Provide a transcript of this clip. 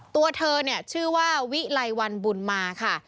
ตัวเธอเนี่ยชื่อว่าวิไลวันบุญมาค่ะ